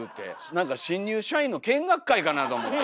何か新入社員の見学会かなと思って。